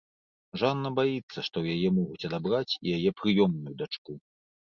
Жанна баіцца, што ў яе могуць адабраць і яе прыёмную дачку.